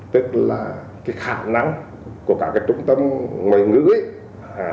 tức là cái khả năng của cả cái trung tâm ngoại ngữ ấy